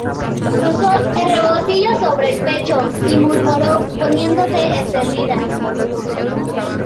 cruzó el rebocillo sobre el pecho y murmuró poniéndose encendida: